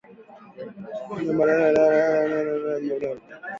Mnyama aliyekufa kwa ugonjwa wa kuhara hukaukiwa maji mwilini